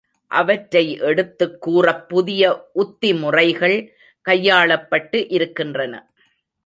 அவற்றை எடுத்துக் கூறப் புதிய உத்திமுறைகள் கையாளப்பட்டு இருக்கின்றன.